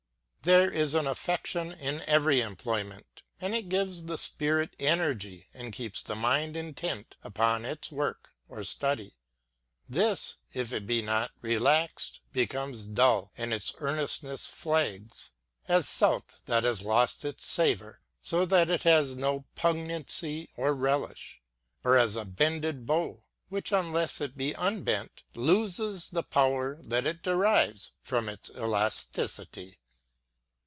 There is an affection in every emjjloyraent, and it gives the spirit energy, and keeps the mind intent upon its work or study. This, if it be not relaxed, becomes dull, and its earnest ness flags, ŌĆö as salt that has lost its savor, so that it has no pungency or relish ; or as a bended bow, which, unless it be unbent, loses the power that it derives from its elasticity.